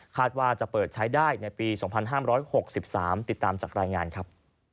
ว่าจะเปิดใช้ได้ในปี๒๕๖๓ติดตามจากรายงานครับ